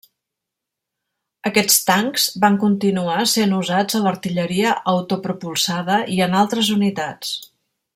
Aquests tancs van continuar sent usats a l'artilleria autopropulsada i en altres unitats.